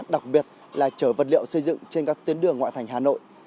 đặc biệt là chở vật liệu xây dựng trên các tuyến đường ngoại thành hà nội